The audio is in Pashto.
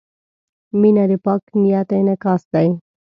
• مینه د پاک نیت انعکاس دی.